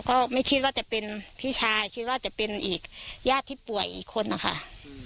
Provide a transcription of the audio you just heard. ก็ไม่คิดว่าจะเป็นพี่ชายคิดว่าจะเป็นอีกญาติที่ป่วยอีกคนนะคะ